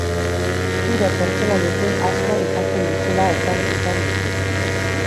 Zure pertsonaiekin asko ikasten duzula esan izan duzu.